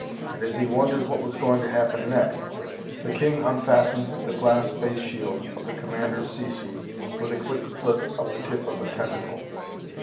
And as he wondered what was going to happen next, the king unfastened the glass face shield of the commander's sea suit with a quick flip of the tip of a tentacle.